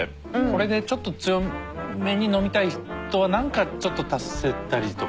これでちょっと強めに飲みたい人は何かちょっと足せたりとか。